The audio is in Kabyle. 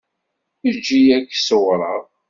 Eǧǧ-iyi ad k-ṣewwreɣ.